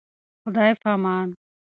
خداي پامان.